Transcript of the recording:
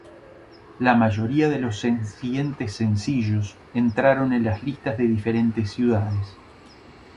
La mayoría de los siguientes sencillos entraron en las listas de diferentes ciudades.